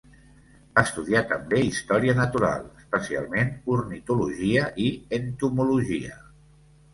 Va estudiar també història natural, especialment ornitologia i entomologia.